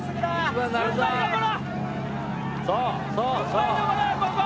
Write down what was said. ふんばりどこだここ。